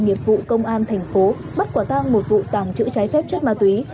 nghiệp vụ công an thành phố bắt quả tang một vụ tàng trữ trái phép chất ma túy